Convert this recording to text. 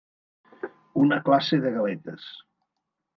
Una classe de galetes.